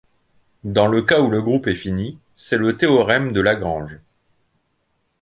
Dans le cas où le groupe est fini, c'est le théorème de Lagrange.